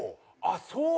あっそう？